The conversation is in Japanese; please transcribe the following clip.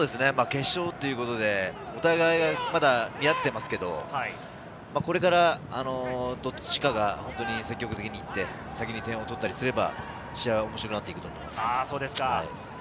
決勝ということで、お互いが見合っていますけど、これからどっちかが積極的にいって、先に点を取ったりすれば、試合は面白くなっていくと思います。